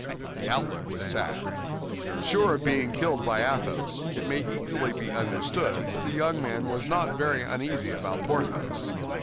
The outlook was sad. Sure of being killed by Athos, it may easily be understood that the young man was not very uneasy about Porthos.